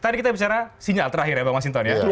tadi kita bicara sinyal terakhir ya bang masinton ya